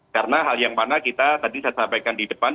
karena hal yang mana kita tadi saya sampaikan di depan